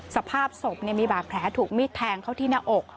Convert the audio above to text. สภาพศพมีบาดแผลถูกมีดแทงเข้าที่หน้าอก